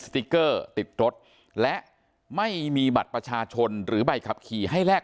ติ๊กเกอร์ติดรถและไม่มีบัตรประชาชนหรือใบขับขี่ให้แลก